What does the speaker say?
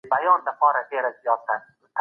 سیاست بیا د سیاستپوهني عملي اړخ ته ویل کيږي.